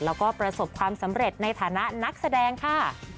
แล้วก็ประสบความสำเร็จในฐานะนักแสดงค่ะ